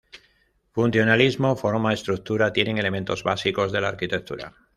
Funcionalismo, forma, estructura, tienen elementos básicos de la arquitectura.